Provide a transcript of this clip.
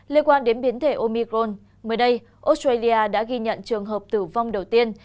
liên quan đến biến thể omicron mới đây australia đã ghi nhận trường hợp tử vong đầu tiên